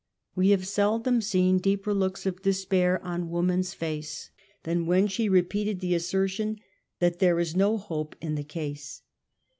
We have seldom seen deeper Xlooks of despair on woman's face than when she re peated the assertion that "there is no hope in the case."